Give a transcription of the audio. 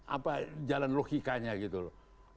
apa jalan logikanya gitu loh